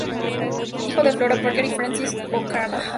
Hija de Flora Parker y Francis O'Callaghan.